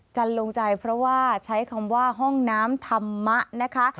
ลงใจเพราะว่าใช้คำว่าห้องน้ำธรรมะนะคะ